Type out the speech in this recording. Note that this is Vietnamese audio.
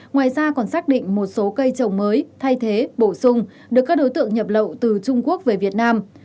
ngoài ra còn xác định một số cây trồng mới thay thế bổ sung được các đối tượng nhập lậu từ trung quốc về việt nam